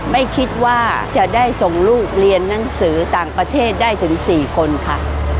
ไม่คิดว่าจะได้ส่งลูกเรียนหนังสือต่างประเทศได้ถึง๔คนค่ะ